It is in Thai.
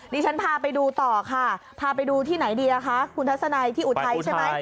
ดิฉันพาไปดูต่อค่ะพาไปดูที่ไหนดีคะคุณทัศนัยที่อุทัยใช่ไหม